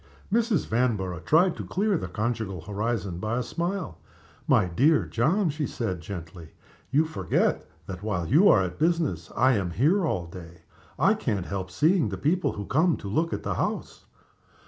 Mrs. Vanborough tried to clear the conjugal horizon b y a smile. "My dear John," she said, gently, "you forget that, while you are at business, I am here all day. I can't help seeing the people who come to look at the house.